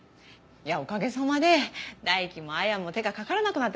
いやおかげさまで大樹も亜矢も手がかからなくなったでしょ？